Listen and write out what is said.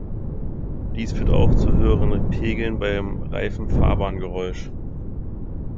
Dies führt auch zu höheren Pegeln beim Reifen-Fahrbahn-Geräusch.